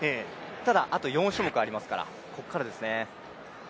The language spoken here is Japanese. ただあと４種目ありますから、ここからですね。